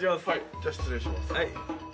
じゃあ失礼します。